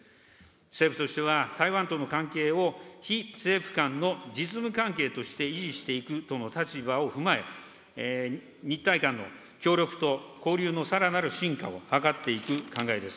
政府としては台湾との関係を非政府間の実務関係として維持していくとの立場を踏まえ、日台間の協力と交流のさらなる深化を図っていく考えです。